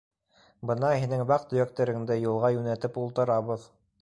— Бына һинең ваҡ-төйәктәреңде юлға йүнәтеп ултырабыҙ.